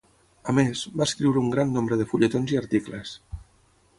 A més, va escriure un gran nombre de fulletons i articles.